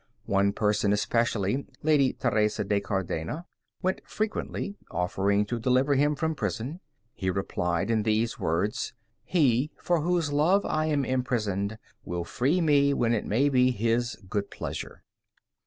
One person especially, Lady Teresa de Cardena, sent frequently, offering to deliver him from prison. He replied in these words, "He, for whose love I am imprisoned, will free me when it may be His good pleasure."